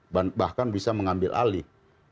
bahkan bisa mengambil alih